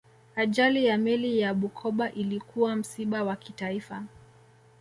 ajali ya meli ya bukoba ilikuwa msiba wa kitaifa